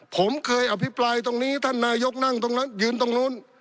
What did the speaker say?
ผมเคยอภิปรายตรงนี้ท่านนายกนั่งตรงนั้นยืนตรงนู้น